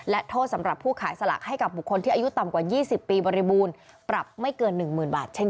และโทษสำหรับผู้ขายสลากให้กับบุคคลที่อายุต่ำกว่า๒๐ปีบริบูรณ์ปรับไม่เกิน๑๐๐๐บาทเช่น